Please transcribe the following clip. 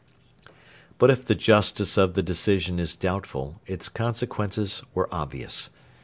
] But if the justice of the decision is doubtful, its consequences were obvious.